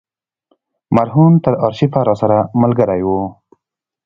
مرهون تر آرشیفه راسره ملګری و.